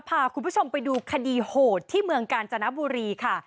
พาคุณผู้ชมไปดูคดีโหดที่เมืองกาญจนบุรีค่ะ